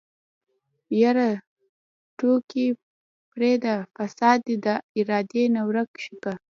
يره ټوکې پرېده فساد دې د ادارې نه ورک که.